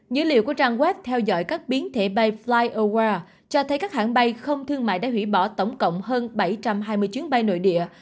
dữ liệu của trang web theo dõi các biến thể bay fly oware cho thấy các hãng bay không thương mại đã hủy bỏ tổng cộng hơn bảy trăm hai mươi chuyến bay nội địa